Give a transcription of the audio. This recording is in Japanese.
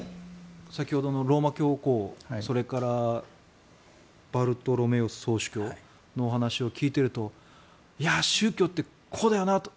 先ほどのローマ教皇それからバルトロメオス総主教のお話を聞いていると宗教ってこうだよなって。